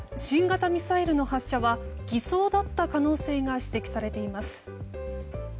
新型ミサイルの発射は偽装だった可能性が指摘されています。